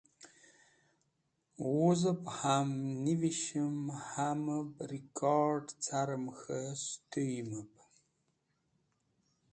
Wuzẽb ham nivishim hamẽb rikord̃ carẽm k̃hẽ setũymẽb.